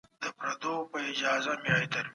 موږ د پرمختګ له پاره پلان جوړ کړی و.